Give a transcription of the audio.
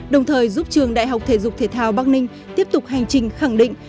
đồng thời giúp trường đại học thể dục thể thao bắc ninh tiếp tục hành trình khẳng định